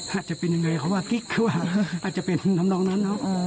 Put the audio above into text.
อาจจะเป็นอย่างไรเขาว่าอาจจะเป็นน้ำน้องนั้น